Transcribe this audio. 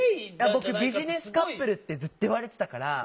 僕ビジネスカップルってずっと言われてたから。